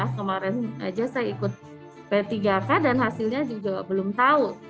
kemarin aja saya ikut p tiga k dan hasilnya juga belum tahu